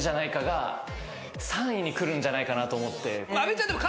来るんじゃないかなと思って。